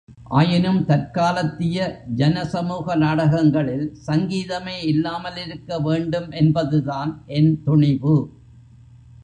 ஆயினும் தற்காலத்திய ஜன சமூக நாடகங்களில் சங்கீதமே இல்லாமலிருக்க வேண்டும் என்பதுதான் என் துணிபு.